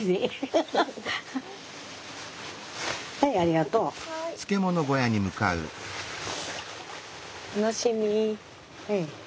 はいありがとう。楽しみ。